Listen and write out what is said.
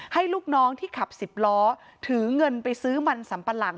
ลูกน้องที่ขับสิบล้อถือเงินไปซื้อมันสัมปะหลัง